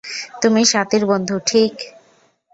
তুমি স্বাতীর বন্ধু, ঠিক?